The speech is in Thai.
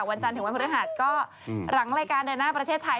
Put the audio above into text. วันจันทร์ถึงวันพฤหัสก็หลังรายการเดินหน้าประเทศไทย